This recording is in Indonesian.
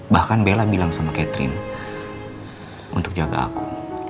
bahkan bella bilang sama catherine untuk jaga aku